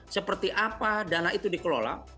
seperti apa dana itu dikelola